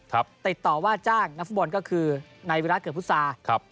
ติดต่อว่าจ้างนักฟุตบอลก็คือนายวิรัติเกิดพุษาครับ